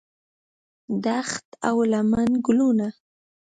دښت او لمن ګلونه